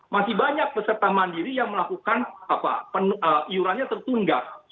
masih banyak peserta mandiri yang melakukan iurannya tertunda